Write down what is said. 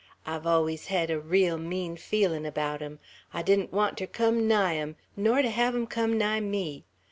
I've always hed a reel mean feelin' about 'em; I didn't want ter come nigh 'em, nor ter hev 'em come nigh me.